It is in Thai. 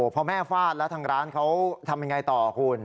พอแม่ฟาดแล้วทางร้านเขาทำยังไงต่อคุณ